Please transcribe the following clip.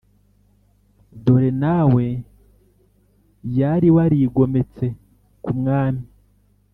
dore na we yari warigometse kumwami